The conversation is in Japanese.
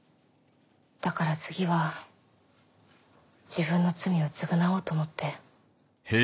だから次は自分の罪を償おうと思って。